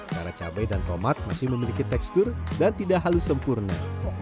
karena cabai dan tomat masih memiliki tekstur dan tidak halus sempurna